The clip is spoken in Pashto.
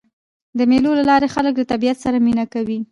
د مېلو له لاري خلک له طبیعت سره مینه کوي.